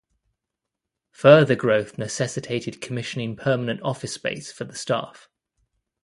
Further growth necessitated commissioning permanent office space for the staff.